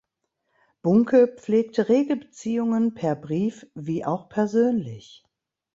Bunke pflegte rege Beziehungen per Brief wie auch persönlich.